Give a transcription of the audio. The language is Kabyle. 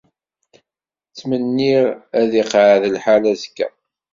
Ttmenniɣ ad iqeɛɛed lḥal azekka.